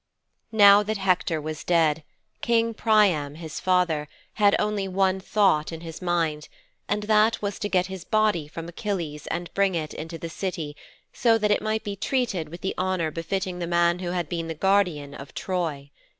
XX Now that Hector was dead, King Priam, his father, had only one thought in his mind, and that was to get his body from Achilles and bring it into the City so that it might be treated with the honour befitting the man who had been the guardian of Troy.